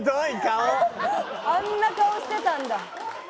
あんな顔してたんだ。